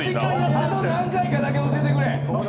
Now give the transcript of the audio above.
あと何回かだけ教えてくれ。